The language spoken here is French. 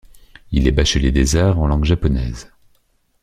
Il est bachelier des arts en langue japonaise.